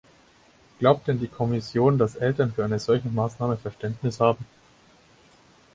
Glaubt denn die Kommission, dass Eltern für eine solche Maßnahme Verständnis haben?